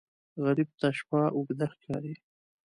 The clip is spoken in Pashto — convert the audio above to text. غریب ته شپه اوږده ښکاري